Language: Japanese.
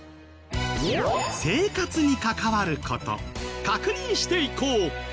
生活に関わる事確認していこう！